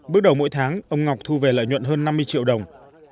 bước đầu mỗi tháng ông ngọc thu về lợi nhuận hơn năm mươi triệu đồng